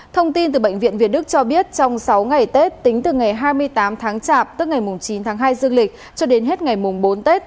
thông tin từ bệnh viện việt đức cho biết trong sáu ngày tết tính từ ngày hai mươi tám tháng chạp cho đến hết ngày bốn tết